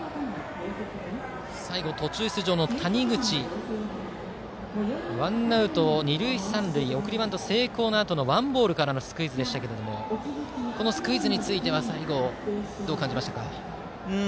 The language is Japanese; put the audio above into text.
最後、途中出場の谷口ワンアウト二塁三塁送りバント成功のあとのワンボールからのスクイズでしたがこのスクイズについては最後どう感じましたか？